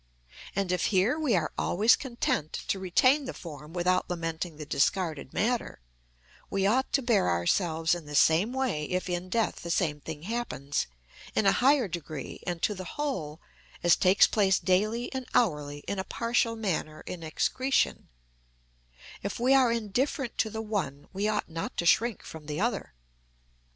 And if here we are always content to retain the form without lamenting the discarded matter, we ought to bear ourselves in the same way if in death the same thing happens, in a higher degree and to the whole, as takes place daily and hourly in a partial manner in excretion: if we are indifferent to the one, we ought not to shrink from the other.